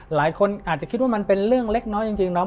หลายคนอาจจะคิดว่ามันเป็นเรื่องเล็กน้อยจริงเนาะ